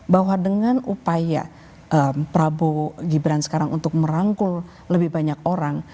bahwa dengan upaya prabowo gibran sekarang untuk merangkul lebih banyak orang